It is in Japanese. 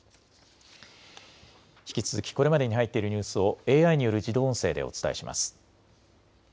引き続きこれまでに入っているニュースをＡＩによる自動音声でお伝えします。